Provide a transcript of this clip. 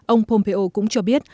ông pompeo cũng cho biết